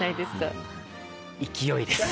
勢いです。